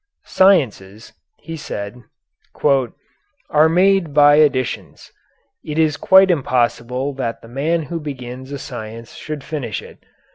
"Sciences," he said, "are made by additions. It is quite impossible that the man who begins a science should finish it.